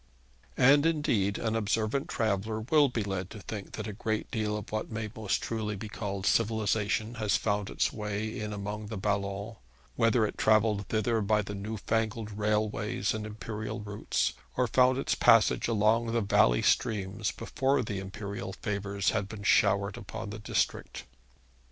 And indeed an observant traveller will be led to think that a great deal of what may most truly be called civilisation has found its way in among the Ballons, whether it travelled thither by the new fangled railways and imperial routes, or found its passage along the valley streams before imperial favours had been showered upon the district.